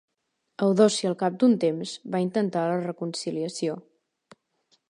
Eudòcia al cap d'un temps va intentar la reconciliació.